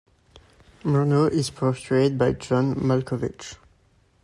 Murnau is portrayed by John Malkovich.